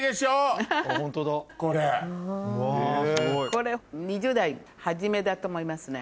これ２０代初めだと思いますね。